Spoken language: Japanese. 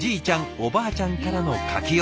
おばあちゃんからの柿を。